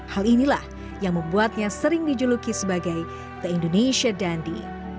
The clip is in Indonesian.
hal inilah yang membuatnya sering dijuluki sebagai the indonesia dandi